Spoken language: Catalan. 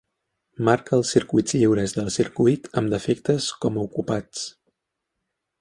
Marca els circuits lliures del circuit amb defectes com a ocupats.